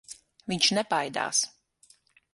Viņš nebaidās.